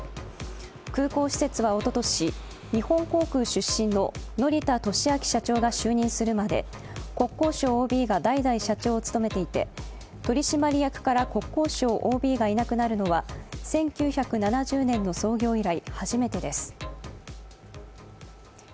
空港施設はおととし、日本航空出身の乗田俊明社長が就任するまで国交省ＯＢが代々社長を務めていて取締役から国交省ＯＢがいなくなるのは、１９７０年の創業以来、初めてです。